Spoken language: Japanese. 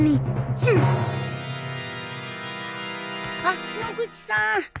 あっ野口さん。